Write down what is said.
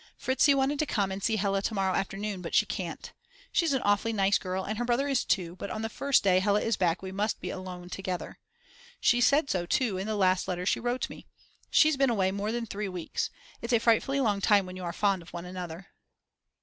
Fritzi wanted to come and see Hella to morrow afternoon, but she can't. She's an awfully nice girl and her brother is too, but on the first day Hella is back we must be alone together. She said so too in the last letter she wrote me. She's been away more than 3 weeks. It's a frightfully long time when you are fond of one another.